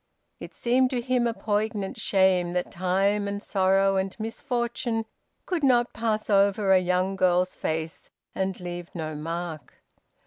It seemed to him a poignant shame that time and sorrow and misfortune could not pass over a young girl's face and leave no mark.